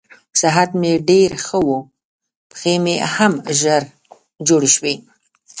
صحت مې ډېر ښه و، پښې مې هم ژر جوړې شوې.